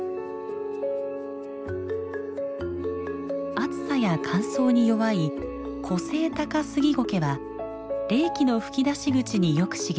暑さや乾燥に弱いコセイタカスギゴケは冷気の吹き出し口によく茂ります。